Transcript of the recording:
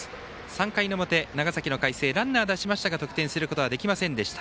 ３回の表、長崎の海星ランナー出しましたが得点することはできませんでした。